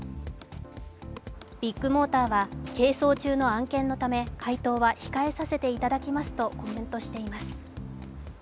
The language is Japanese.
ビッグモーターは係争中の案件のため回答は控えさせていただきますとコメントしています。